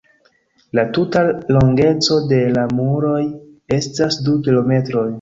La tuta longeco de la muroj estas du kilometroj.